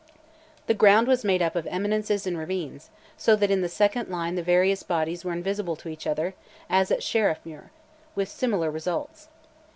The ground was made up of eminences and ravines, so that in the second line the various bodies were invisible to each other, as at Sheriffmuir with similar results.